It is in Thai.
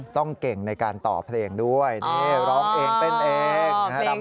ต้องเก่งในการต่อเพลงด้วยนี่ร้องเองเต้นเองนะครับ